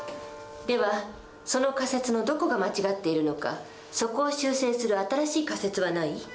ではその仮説のどこが間違っているのかそこを修正する新しい仮説はない？